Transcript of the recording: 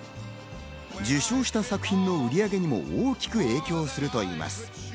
受賞した作品の売り上げにも大きく影響するといいます。